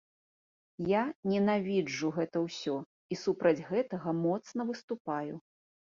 Я ненавіджу гэта ўсё і супраць гэтага моцна выступаю.